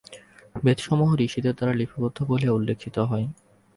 বেদসমূহ ঋষিদের দ্বারা লিপিবদ্ধ বলিয়া উল্লিখিত হয়।